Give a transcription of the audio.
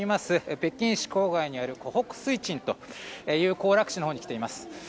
北京市郊外にある古北水鎮という行楽地のほうに来ています。